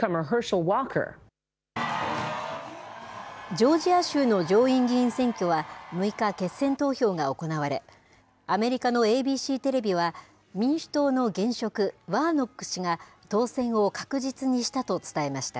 ジョージア州の上院議員選挙は６日、決選投票が行われ、アメリカのＡＢＣテレビは、民主党の現職、ワーノック氏が当選を確実にしたと伝えました。